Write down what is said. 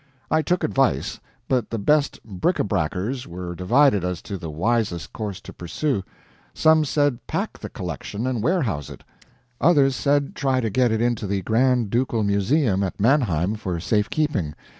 I took advice, but the best brick a brackers were divided as to the wisest course to pursue; some said pack the collection and warehouse it; others said try to get it into the Grand Ducal Museum at Mannheim for safe keeping.